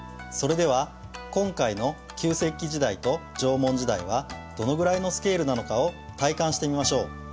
それでは今回の旧石器時代と縄文時代はどのぐらいのスケールなのかを体感してみましょう。